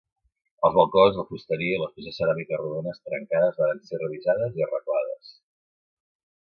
Els balcons, la fusteria i les peces ceràmiques rodones trencades varen ser revisades i arreglades.